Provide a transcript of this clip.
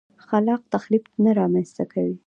خلاق تخریب نه رامنځته کوي.